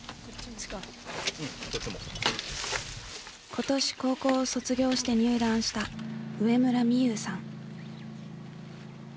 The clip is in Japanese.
今年高校を卒業して入団した上村美優さん。